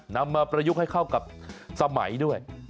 นำมาประยุกต์ให้เข้ากับสมัยด้วย